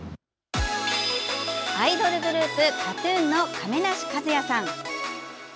アイドルグループＫＡＴ‐ＴＵＮの亀梨和也さん。